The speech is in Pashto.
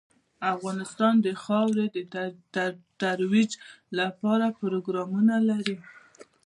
افغانستان د خاوره د ترویج لپاره پروګرامونه لري.